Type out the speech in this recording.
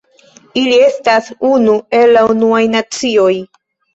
Ili estas unu el la Unuaj Nacioj.